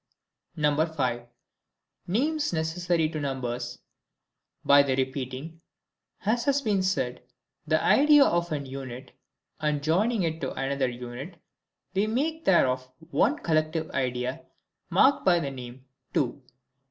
5. Names necessary to Numbers. By the repeating, as has been said, the idea of an unit, and joining it to another unit, we make thereof one collective idea, marked by the name two.